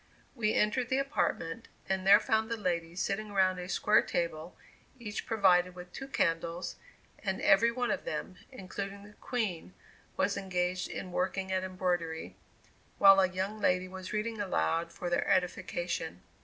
We entered the apartment, and there found the ladies sitting around a square table, each provided with two candles, and every one of them, including the Queen, was engaged in working at embroidery, while a young lady was reading aloud for their edification.